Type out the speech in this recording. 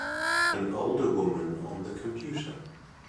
An older woman on the computer